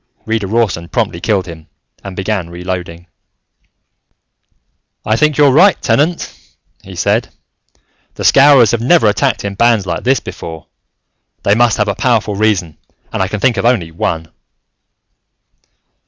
Reader Rawson promptly killed him and began reloading. "I think you're right, Tenant," he said. "The Scowrers have never attacked in bands like this before. They must have a powerful reason and I can think of only one."